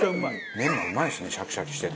メンマうまいですねシャキシャキしてて。